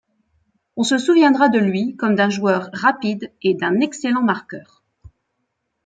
On se souviendra de lui comme d'un joueur rapide et d'un excellent marqueur.